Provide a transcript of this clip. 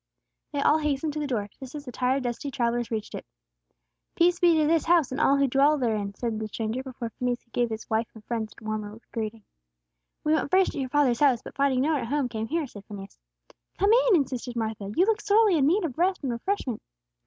They all hastened to the door, just as the tired, dusty travellers reached it. "Peace be to this house, and all who dwell therein," said the stranger, before Phineas could give his wife and friends a warmer greeting. "We went first to your father's house, but, finding no one at home, came here," said Phineas. "Come in!" insisted Martha. "You look sorely in need of rest and refreshment."